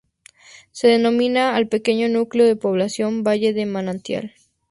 Se denominó al pequeño núcleo de población Valle de Manantial.